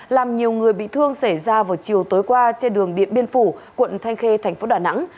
làm nhiều người bị thương xảy ra vào chiều tối qua trên đường điện biên phủ quận thanh khê thành phố đà nẵng